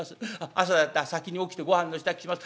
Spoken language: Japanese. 朝だったら先に起きてごはんの支度します。